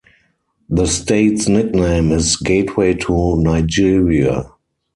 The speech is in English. The state's nickname is "Gateway to Nigeria".